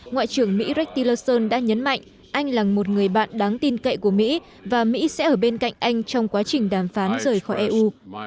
ngoại trưởng mỹ racki lason đã nhấn mạnh anh là một người bạn đáng tin cậy của mỹ và mỹ sẽ ở bên cạnh anh trong quá trình đàm phán rời khỏi eu